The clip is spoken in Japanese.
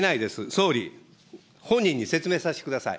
総理、本人に説明させてください。